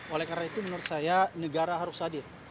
oleh karena itu menurut saya negara harus hadir